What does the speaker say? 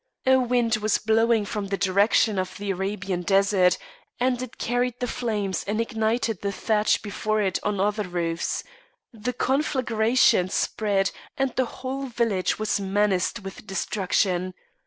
A wind was blowing from the direction of the Arabian desert, and it carried the flames and ignited the thatch before it on other roofs; the conflagration spread, and the whole village was menaced with destruction.